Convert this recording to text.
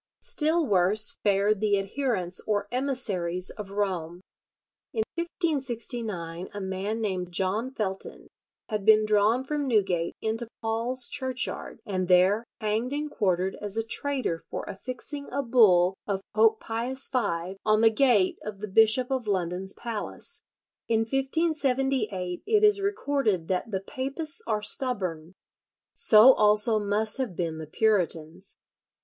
Still worse fared the adherents or emissaries of Rome. In 1569 a man named John Felton had been drawn from Newgate into Paul's Churchyard, and there hanged and quartered as a traitor for affixing a bull of Pope Pius V on the gate of the Bishop of London's palace. In 1578 it is recorded that "the papists are stubborn." So also must have been the Puritans.